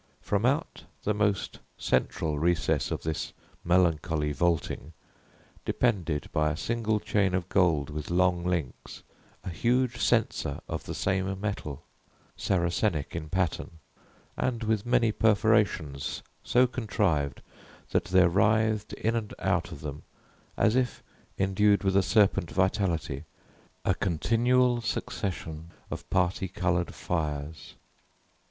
From out the most central recess of this melancholy vaulting, depended, by a single chain of gold with long links, a huge censer of the same metal, Saracenic in pattern, and with many perforations so contrived that there writhed in and out of them, as if endued with a serpent vitality, a continual succession of parti colored fires.